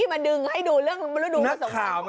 ก็ดึงให้ดูเรื่องมุดรู้สงสัย